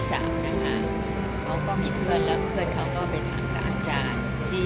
ว่าร้อยแมวหาอาจารย์